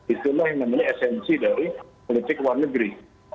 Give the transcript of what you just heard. itulah yang namanya esensi dari politik luar negeri